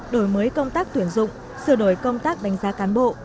đổi mới công tác tuyển dụng sửa đổi công tác đánh giá cán bộ